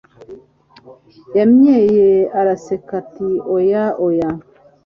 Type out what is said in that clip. Yanyweye araseka ati Oya oya